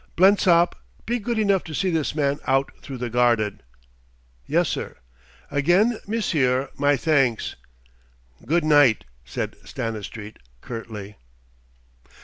"Blensop ... be good enough to see this man out through the garden." "Yes, sir." "Again, monsieur, my thanks." "Good night," said Stanistreet curtly.